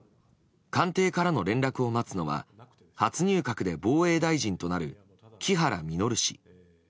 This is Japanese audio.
官邸からの連絡を待つのは初入閣で防衛大臣となる木原稔氏。